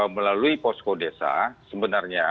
melalui posko desa sebenarnya